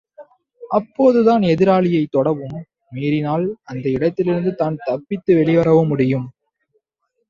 அப்பொழுதுதான் எதிராளியைத் தொடவும், மீறினால், அந்த இடத்திலிருந்து தான் தப்பித்து வெளிவரவும் முடியும்.